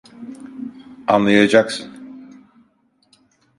Anlayacaksın.